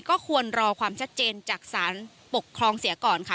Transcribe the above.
ก็ควรรอความชัดเจนจากสารปกครองเสียก่อนค่ะ